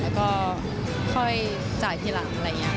แล้วก็ค่อยจ่ายทีหลัง